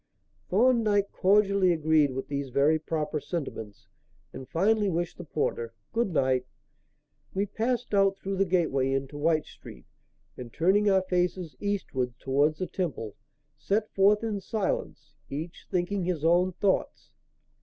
Thorndyke cordially agreed with these very proper sentiments and finally wished the porter "good night." We passed out through the gateway into Wych Street, and, turning our faces eastward towards the Temple, set forth in silence, each thinking his own thoughts.